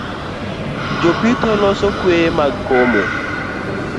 Jopitho loso kweye mag komo